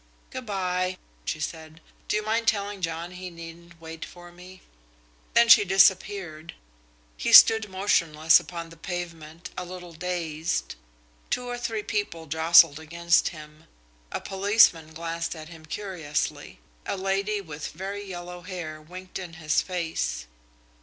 "Good by!" she said. "Do you mind telling John he needn't wait for me?" Then she disappeared. He stood motionless upon the pavement, a little dazed. Two or three people jostled against him. A policeman glanced at him curiously. A lady with very yellow hair winked in his face.